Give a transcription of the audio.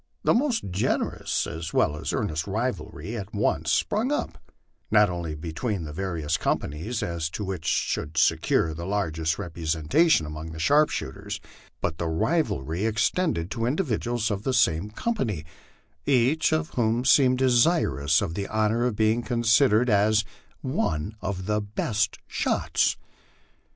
The most generous as well as earnest rivalry at once sprung up, not only be tween the various companies, as to which should secure the largest representa tion among the sharpshooters, but the rivalry extended to individuals of the same company, each of whom seemed desirous of the honor of being considered as '* one of the best shots."